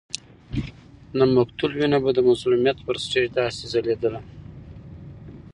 د مقتول وینه به د مظلومیت پر سټېج داسې ځلېدله.